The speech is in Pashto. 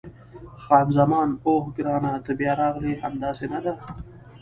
خان زمان: اوه، ګرانه ته بیا راغلې! همداسې نه ده؟